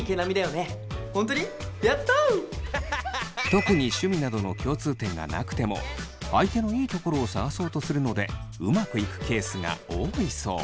特に趣味などの共通点がなくても相手のいいところを探そうとするのでうまくいくケースが多いそう。